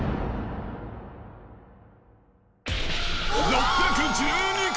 ６１２個。